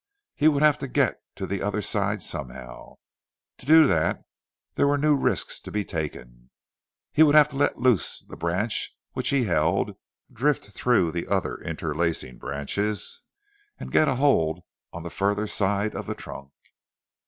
He would have to get to the other side somehow. To do that there were new risks to be taken. He would have to let loose the branch which he held, drift through the other interlacing branches, and get a hold on the further side of the trunk.